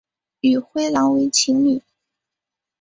与灰狼为情侣。